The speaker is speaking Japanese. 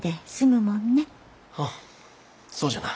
ああそうじゃな。